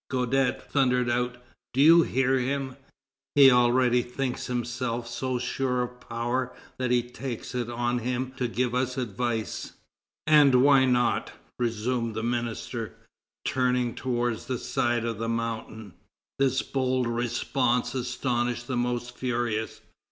Guadet thundered out: "Do you hear him? He already thinks himself so sure of power that he takes it on him to give us advice." "And why not?" resumed the minister, turning toward the side of the Mountain. This bold response astonished the most furious.